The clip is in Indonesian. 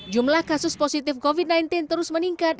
jumlah kasus positif covid sembilan belas terus meningkat